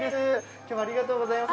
今日はありがとうございます。